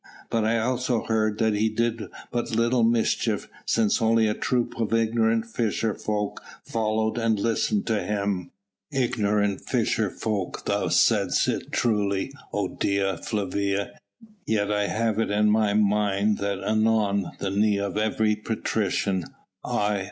But I also heard that he did but little mischief, since only a troop of ignorant fisher folk followed and listened to him." "Ignorant fisher folk thou saidst it truly, O Dea Flavia, yet I have it in my mind that anon the knee of every patrician aye!